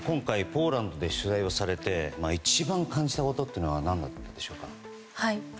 ポーランドで取材をされて一番感じたことは何だったんでしょうか。